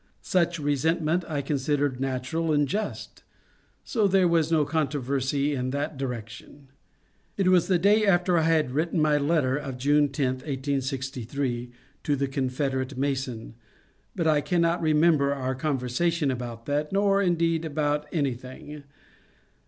Such resentment I consid ered natural and just, so there was no controversy in that direction. It was the day after I had written my letter of June 10, 1863, to the Confederate Mason, but I cannot re member our conversation about that, nor indeed about any thing.